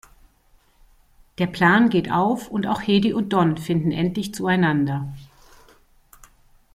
Der Plan geht auf und auch Hedi und Don finden endlich zueinander.